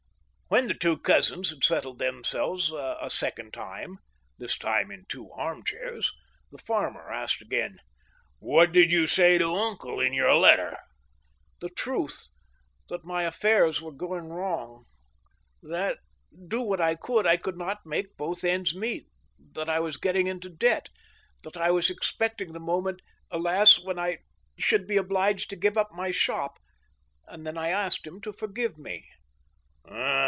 When the two cousins had settled themselves a second time (this time in two arm chairs), the farmer asked again :" What did you say to uncle in your letter ?"" The truth— that my affairs were going wrong ; that, do what I could, I could not make both ends meet ; that I was getting into lO THE STEEL HAMMER. debt; that I was expecting the moment, alas ! when I should be obliged to give up^ my shop ; and then I asked him to forgive me."